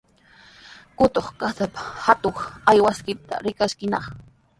Qutra kutrunpa atuq aywaykaqta rikaskinaq.